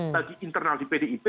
tadi internal di pdip